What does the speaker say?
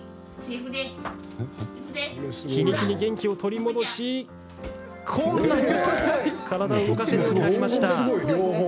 日に日に元気を取り戻しこんなに体を動かせるようになりました。